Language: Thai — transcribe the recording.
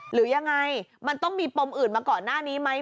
หรือยังไงมันต้องมีปมอื่นมาก่อนหน้านี้ไหม